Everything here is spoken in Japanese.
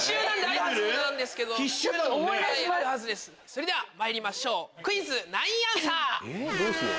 それではまいりましょうクイズナインアンサー！